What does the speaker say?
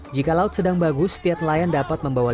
jika laut sedang bagus setiap nelayan bergabung